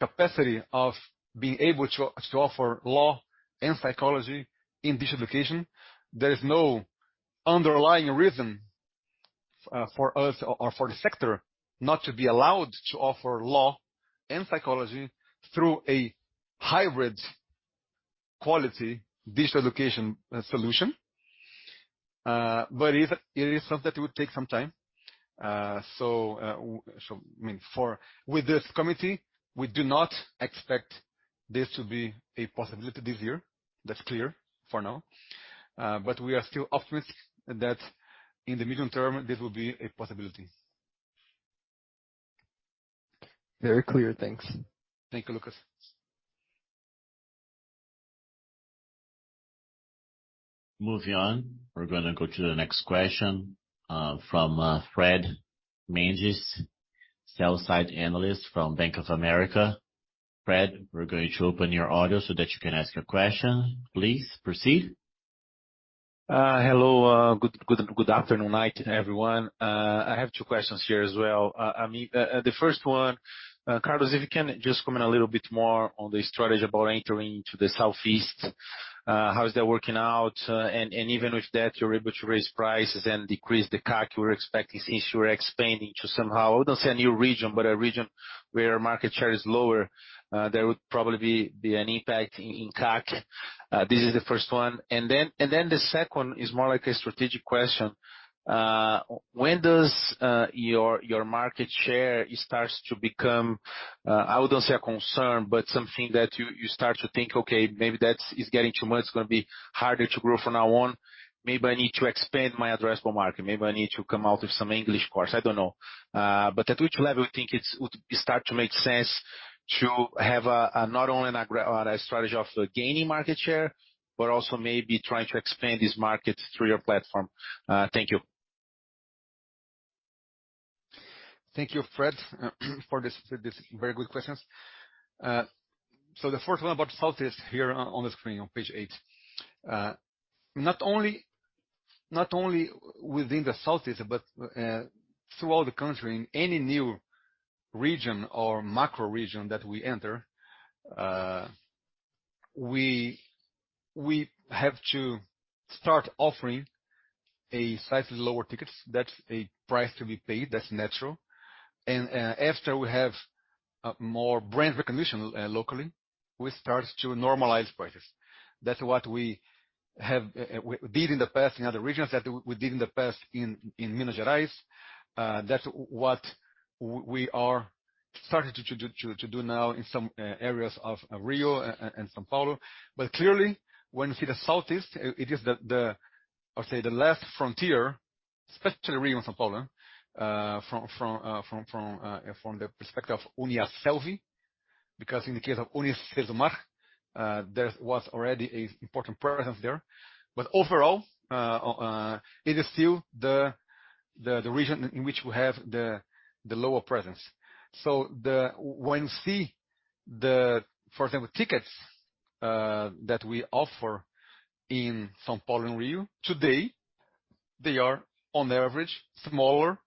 capacity of being able to offer law and psychology in digital education. There is no underlying reason for us or for the sector not to be allowed to offer law and psychology through a hybrid quality digital education solution. It is, it is something that will take some time. I mean, with this committee, we do not expect this to be a possibility this year. That's clear for now. We are still optimistic that in the medium term, this will be a possibility. Very clear. Thanks. Thank you, Lucas. Moving on. We're gonna go to the next question, from Fred Mendes, sell-side analyst from Bank of America. Fred, we're going to open your audio so that you can ask your question. Please proceed. Hello. Good, good afternoon, night, everyone. I have two questions here as well. I mean, the first one, Carlos, if you can just comment a little bit more on the strategy about entering into the Southeast. How is that working out? Even with that, you're able to raise prices and decrease the CAC you were expecting since you were expanding to somehow, I wouldn't say a new region, but a region where market share is lower. There would probably be an impact in CAC. This is the first one. The second is more like a strategic question. When does your market share starts to become, I wouldn't say a concern, but something that you start to think, okay, maybe that is getting too much. It's gonna be harder to grow from now on. Maybe I need to expand my addressable market. Maybe I need to come out with some English course. I don't know. At which level we think it would start to make sense to have, not only a strategy of gaining market share, but also maybe trying to expand this market through your platform. Thank you. Thank you, Fred, for this very good questions. The first one about Southeast here on the screen on page eight. Not only within the Southeast, but throughout the country, in any new region or macro region that we enter, we have to start offering a slightly lower tickets. That's a price to be paid. That's natural. After more brand recognition locally, we start to normalize prices. That's what we have did in the past in other regions, that we did in the past in Minas Gerais. That's what we are starting to do now in some areas of Rio and São Paulo. Clearly, when you see the Southeast, it is the last frontier, especially Rio and São Paulo, from the perspective of Uniasselvi. In the case of Unicesumar, there was already a important presence there. Overall, it is still the region in which we have the lower presence. For example, tickets that we offer in São Paulo and Rio, today, they are on average smaller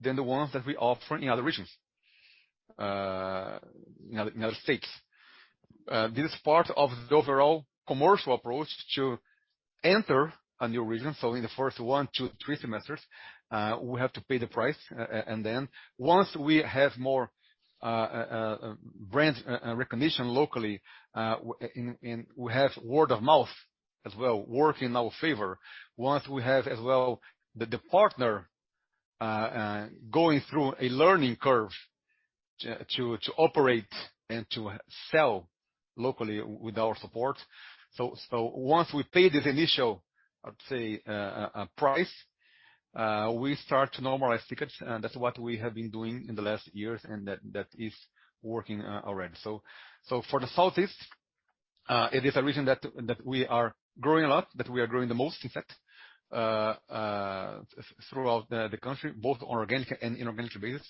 than the ones that we offer in other regions, in other states. This is part of the overall commercial approach to enter a new region. In the first one to three semesters, we have to pay the price. Then once we have more brand recognition locally, and we have word of mouth as well, working in our favor, once we have as well the partner going through a learning curve to operate and to sell locally with our support. Once we pay this initial, let's say, price, we start to normalize tickets. That's what we have been doing in the last years, and that is working already. For the Southeast, it is a region that we are growing a lot, that we are growing the most, in fact, throughout the country, both on organic and inorganic basis.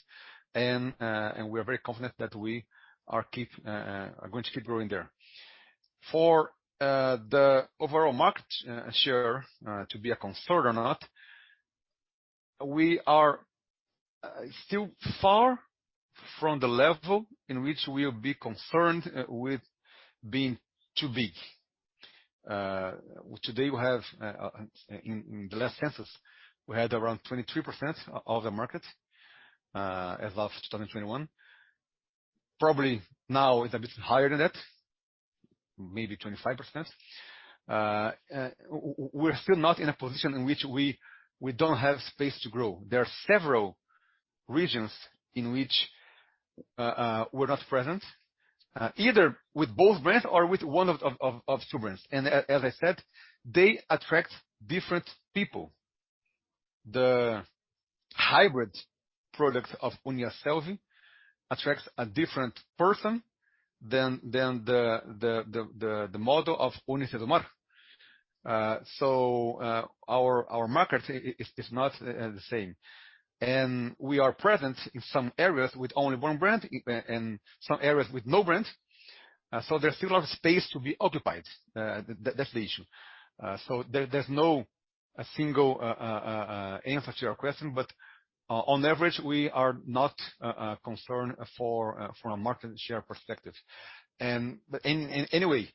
And we are very confident that we are going to keep growing there. For the overall market share to be a concern or not, we are still far from the level in which we'll be concerned with being too big. In the last census, we had around 23% of the market as of 2021. Probably now it's a bit higher than that, maybe 25%. We're still not in a position in which we don't have space to grow. There are several regions in which we're not present either with both brands or with one of two brands. As I said, they attract different people. The hybrid products of Uniasselvi attracts a different person than the model of Unicesumar. Our market is not the same. We are present in some areas with only one brand, in some areas with no brands, so there's still a lot of space to be occupied. That's the issue. There's no a single answer to your question, but on average, we are not concerned for from a market share perspective. Anyway,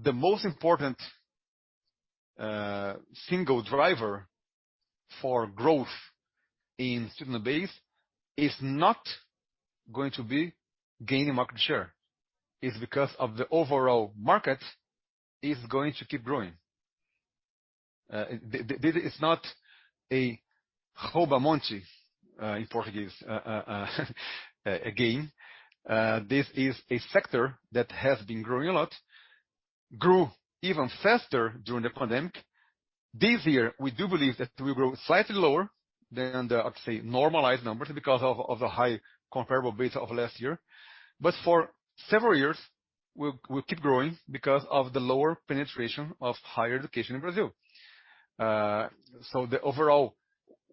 the most important single driver for growth in student base is not going to be gaining market share. It's because of the overall market is going to keep growing. This is not a Rouba-Monte in Portuguese a gain. This is a sector that has been growing a lot, grew even faster during the pandemic. This year, we do believe that we'll grow slightly lower than the, I'd say, normalized numbers because of the high comparable base of last year. For several years we'll keep growing because of the lower penetration of higher education in Brazil.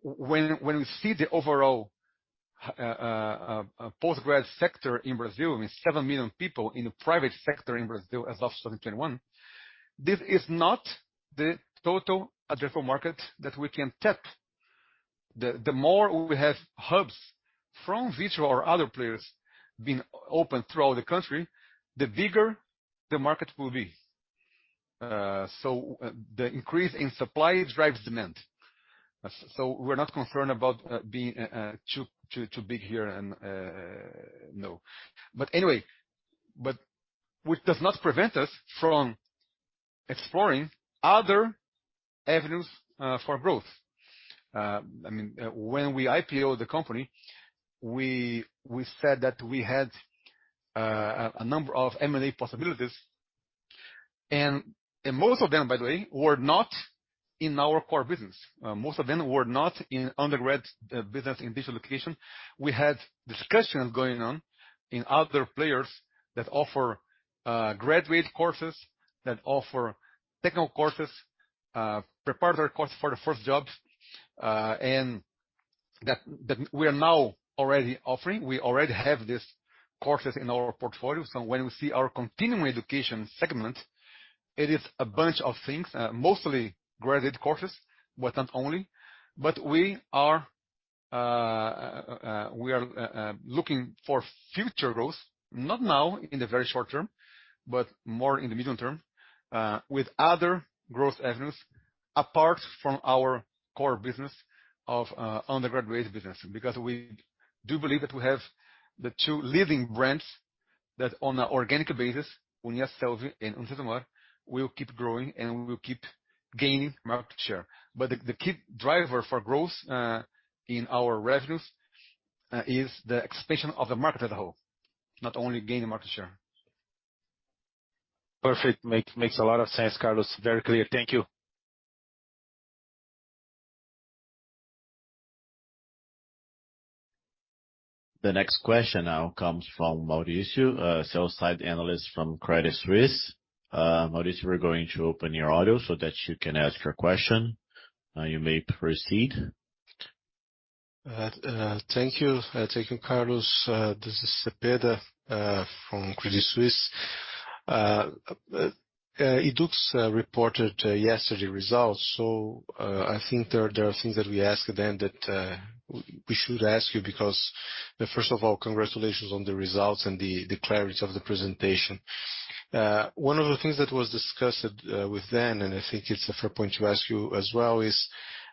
When we see the overall post-grad sector in Brazil, I mean seven million people in the private sector in Brazil as of 2021, this is not the total addressable market that we can tap. The more we have hubs from Vitru or other players being open throughout the country, the bigger the market will be. The increase in supply drives demand. We're not concerned about being too big here and no. Anyway. Which does not prevent us from exploring other avenues for growth. I mean, when we IPO the company, we said that we had a number of M&A possibilities. Most of them, by the way, were not in our core business. Most of them were not in undergrad business in digital education. We had discussions going on in other players that offer graduate courses, that offer technical courses, preparatory courses for the first jobs, and that we are now already offering. We already have these courses in our portfolio. When we see our continuing education segment, it is a bunch of things, mostly graduate courses, but not only. We are looking for future growth, not now in the very short term, but more in the medium term, with other growth avenues apart from our core business of undergraduate business. We do believe that we have the two leading brands that on an organic basis, Uniasselvi and UniCesumar will keep growing and we will keep gaining market share. The key driver for growth, in our revenues, is the expansion of the market as a whole, not only gaining market share. Perfect. makes a lot of sense, Carlos. Very clear. Thank you. The next question now comes from Mauricio, sell-side analyst from Credit Suisse. Mauricio, we're going to open your audio so that you can ask your question. You may proceed. Thank you. Thank you, Carlos. This is Cepeda, from Credit Suisse. Yduqs reported yesterday results. I think there are things that we asked then that we should ask you because... First of all, congratulations on the results and the clarity of the presentation. One of the things that was discussed with them, and I think it's a fair point to ask you as well, is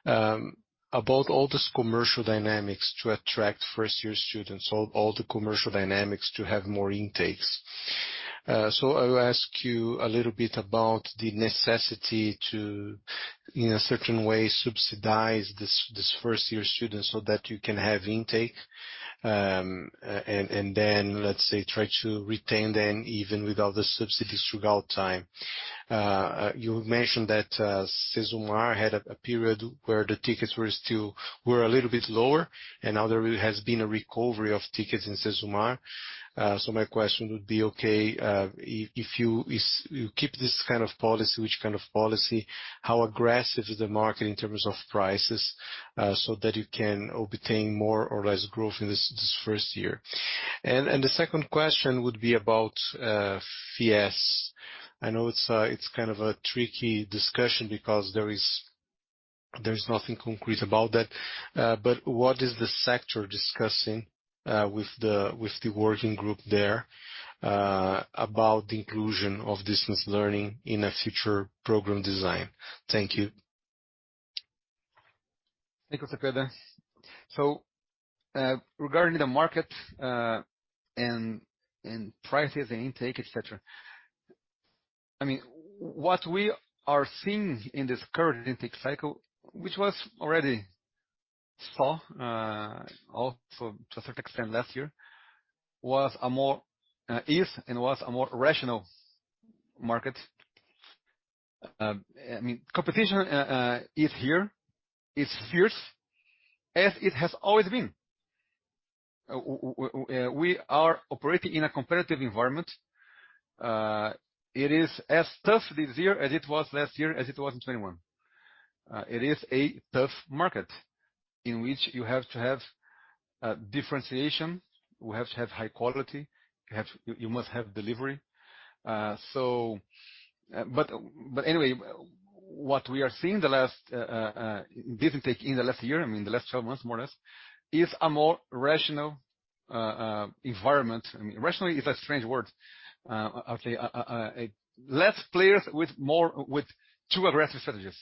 about all these commercial dynamics to attract first-year students, all the commercial dynamics to have more intakes. I'll ask you a little bit about the necessity to, in a certain way, subsidize these first-year students so that you can have intake. Then, let's say, try to retain them even without the subsidies throughout time. You mentioned that UniCesumar had a period where the tickets were a little bit lower, and now there has been a recovery of tickets in UniCesumar. My question would be, okay, if you keep this kind of policy, which kind of policy, how aggressive is the market in terms of prices, so that you can obtain more or less growth in this first year? The second question would be about FIES. I know it's kind of a tricky discussion because there is nothing concrete about that. What is the sector discussing with the working group there about the inclusion of distance learning in a future program design? Thank you. Thank you, Cepeda. Regarding the market, and prices and intake, et cetera. I mean, what we are seeing in this current intake cycle, which was already saw, also to a certain extent last year, was a more, is and was a more rational market. I mean, competition is here, is fierce, as it has always been. We are operating in a competitive environment. It is as tough this year as it was last year, as it was in 2021. It is a tough market in which you have to have differentiation. We have to have high quality. You must have delivery. So... What we are seeing the last this intake in the last year, I mean, the last 12 months more or less, is a more rational environment. I mean, rationally is a strange word. Okay. Less players with more with too aggressive strategies.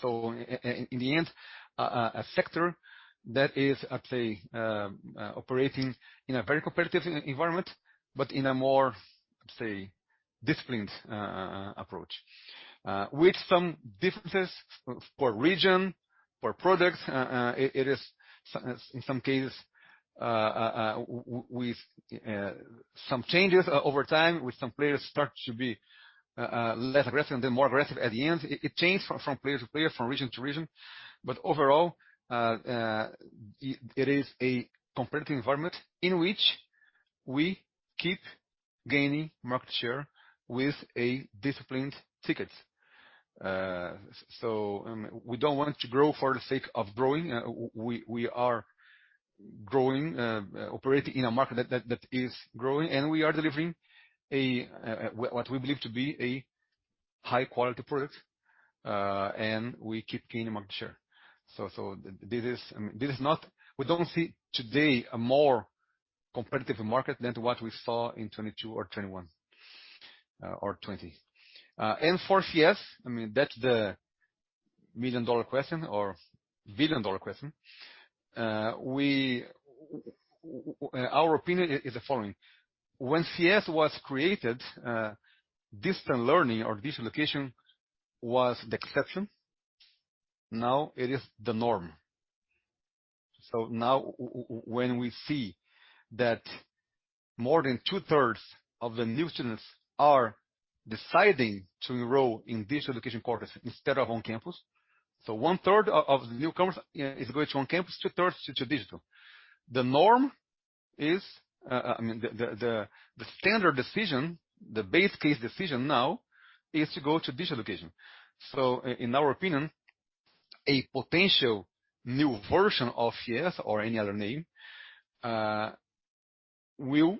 So in the end, a sector that is, let's say, operating in a very competitive environment, but in a more, say, disciplined approach, with some differences for region, for products. It is, in some cases, with some changes over time, with some players start to be less aggressive and then more aggressive at the end. It changed from player to player, from region to region. Overall, it is a competitive environment in which we keep gaining market share with a disciplined tickets. We don't want to grow for the sake of growing. We are growing, operating in a market that is growing, and we are delivering what we believe to be a high quality product, and we keep gaining market share. We don't see today a more competitive market than what we saw in 2022 or 2021 or 2020. For FIES, I mean, that's the million-dollar question or billion-dollar question. Our opinion is the following: When FIES was created, distant learning or digital location was the exception. Now it is the norm. Now when we see that more than 2/3 of the new students are deciding to enroll in digital location courses instead of on campus. 1/3 of the newcomers, you know, is going to on campus, two-thirds to digital. The norm is, I mean, the standard decision, the base case decision now is to go to digital location. In our opinion, a potential new version of FIES or any other name, will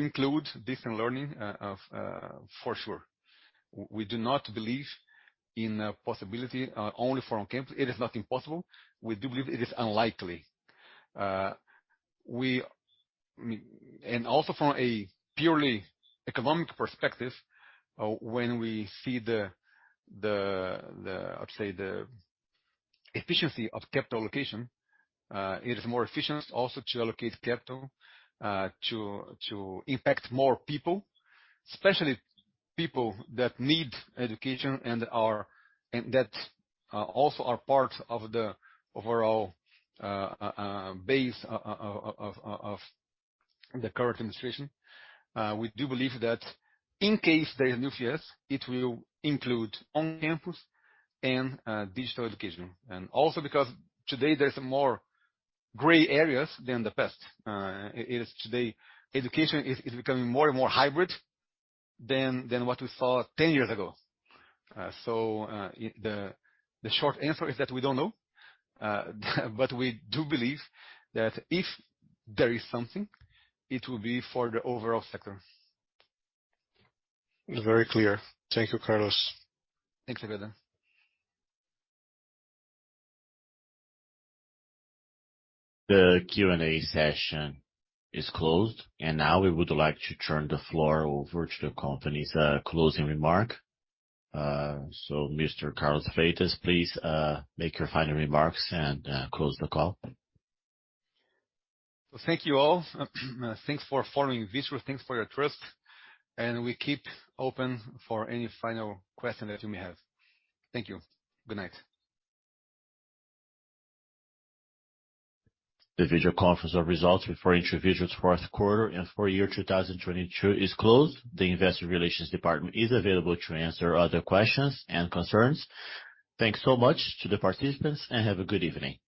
include distant learning for sure. We do not believe in a possibility only for on campus. It is not impossible. We do believe it is unlikely. And also from a purely economic perspective, when we see the... I'd say the efficiency of capital allocation, it is more efficient also to allocate capital, to impact more people, especially people that need education and that also are part of the overall base of the current administration. We do believe that in case there is new fees, it will include on-campus and digital education. Also because today there's more gray areas than the past. It is today, education is becoming more and more hybrid than what we saw 10 years ago. The short answer is that we don't know. We do believe that if there is something, it will be for the overall sector. Very clear. Thank you, Carlos. Thanks, Cepeda. The Q&A session is closed. Now we would like to turn the floor over to the company's closing remark. Mr. Carlos Freitas, please make your final remarks and close the call. Thank you all. Thanks for following Vitru's. Thanks for your trust. We keep open for any final question that you may have. Thank you. Good night. The visual conference of results for Vitru's fourth quarter and for year 2022 is closed. The Investor Relations department is available to answer other questions and concerns. Thanks so much to the participants and have a good evening.